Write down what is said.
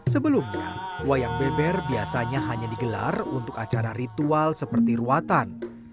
sebelumnya wayang beber biasanya hanya digelar untuk acara ritual seperti ruatan